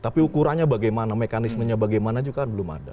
tapi ukurannya bagaimana mekanismenya bagaimana juga kan belum ada